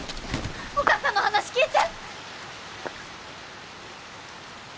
お母さんの話聞いて！